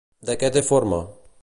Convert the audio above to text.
De què té forma?